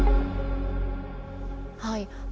はい。